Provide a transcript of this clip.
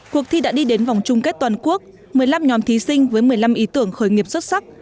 cuộc thi đã đi đến vòng chung kết toàn quốc một mươi năm nhóm thí sinh với một mươi năm ý tưởng khởi nghiệp xuất sắc